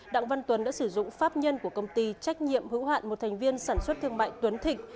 đặng văn tuấn đã sử dụng pháp nhân của công ty trách nhiệm hữu hạn một thành viên sản xuất thương mại tuấn thịnh